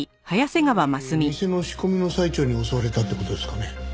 やはり店の仕込みの最中に襲われたって事ですかね。